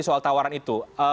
soal tawaran itu